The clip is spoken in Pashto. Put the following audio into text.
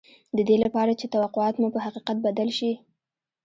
د دې لپاره چې توقعات مو په حقيقت بدل شي.